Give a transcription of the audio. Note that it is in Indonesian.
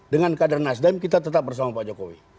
dengan kader nasdem kita tetap bersama pak jokowi